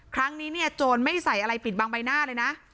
ครั้งนี้เนี่ยโจรไม่ใส่อะไรปิดบังใบหน้าเลยนะ